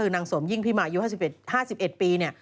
นางสวมยิ่งพิมาอายุ๕๑ปี